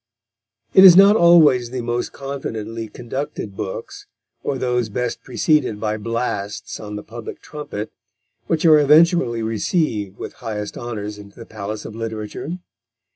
It is not always the most confidently conducted books, or those best preceded by blasts on the public trumpet, which are eventually received with highest honours into the palace of literature.